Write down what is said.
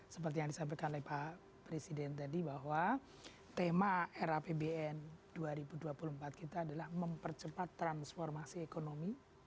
seperti yang disampaikan oleh pak presiden tadi bahwa tema rapbn dua ribu dua puluh empat kita adalah mempercepat transformasi ekonomi